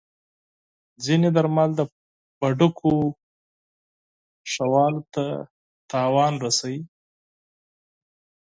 ځینې درمل د پښتورګو فعالیت ته زیان رسوي.